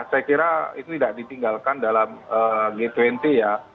saya kira itu tidak ditinggalkan dalam g dua puluh ya